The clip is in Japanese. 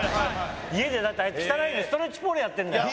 家でだってあいつ汚いんだよストレッチポールやってるんだよ。